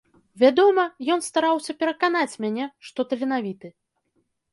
Вядома, ён стараўся пераканаць мяне, што таленавіты.